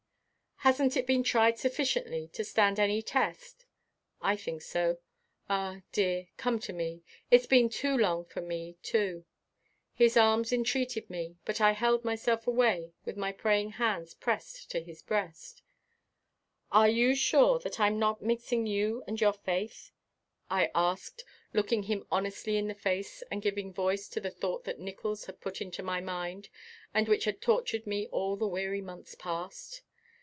"Hasn't it been tried sufficiently to stand any test? I think so. Ah, dear, come to me it's been long for me, too." His arms entreated me, but I held myself away with my praying hands pressed to his breast. "Are you sure that I'm not mixing you and your faith?" I asked, looking him honestly in the face and giving voice to the thought that Nickols had put into my mind and which had tortured me all the weary months past.